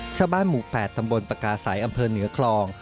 ชาวบ้านหมู่๘ตำบลปากาศัยอำเภอเหนือคลอง